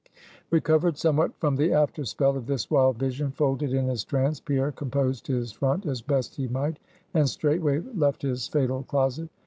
Recovered somewhat from the after spell of this wild vision folded in his trance, Pierre composed his front as best he might, and straightway left his fatal closet.